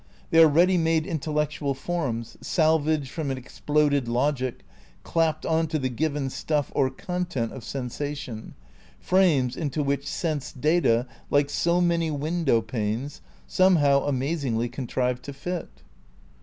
They are ready made intellectual forms, salvage from an exploded logic, clapped on to the given stuff or con tent of sensation, frames into which sense data, like so many window panes, somehow amazingly contrive to fit.